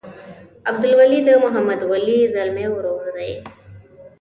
عبدالولي د محمد ولي ځلمي ورور دی.